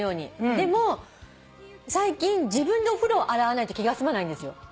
でも最近自分でお風呂を洗わないと気が済まないんですよ。